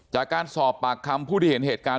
จากการสอบปากคำผู้ที่เห็นเหตุการณ์